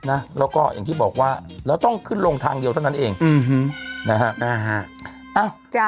แล้วก็อย่างที่บอกว่าเราต้องขึ้นลงทางเดียวเท่านั้นเองนะครับ